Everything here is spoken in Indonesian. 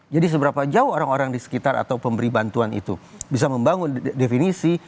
jadi seberapa jauh orang orang di sekitar atau pemberi bantuan itu bisa membangun definisi